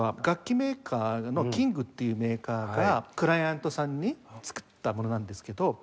楽器メーカーのキングっていうメーカーがクライアントさんに作ったものなんですけど。